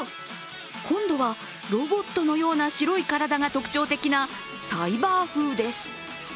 今度はロボットのような白い体が特徴的なサイバー風です。